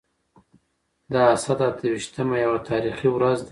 د اسد اته ويشتمه يوه تاريخي ورځ ده.